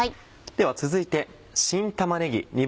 では続いて。